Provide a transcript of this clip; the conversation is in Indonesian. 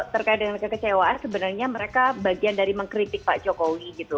terkait dengan kekecewaan sebenarnya mereka bagian dari mengkritik pak jokowi gitu